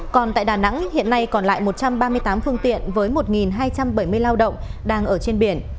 còn tại đà nẵng hiện nay còn lại một trăm ba mươi tám phương tiện với một hai trăm bảy mươi lao động đang ở trên biển